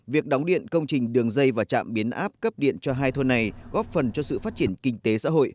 việc đóng điện công trình đường dây và trạm biến áp cấp điện cho hai thôn này góp phần cho sự phát triển kinh tế xã hội